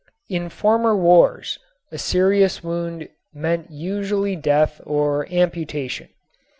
In former wars a serious wound meant usually death or amputation.